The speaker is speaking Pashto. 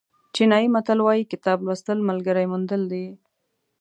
چینایي متل وایي کتاب لوستل ملګري موندل دي.